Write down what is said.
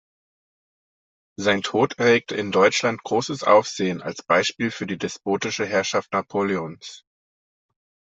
Sein Tod erregte in Deutschland großes Aufsehen als Beispiel für die despotische Herrschaft Napoleons.